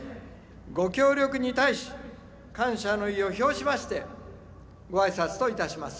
・御協力に対し感謝の意を表しまして御挨拶といたします。